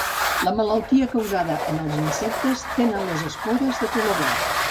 La malaltia causada en els insectes tenen les espores de color verd.